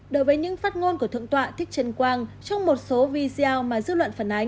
đối với những phát ngôn của thượng tọa thích trần quang trong một số video mà dư luận phản ánh